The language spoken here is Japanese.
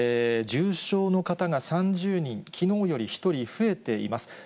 重症の方が３０人、きのうより１人増えています。